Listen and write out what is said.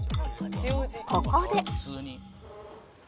ここで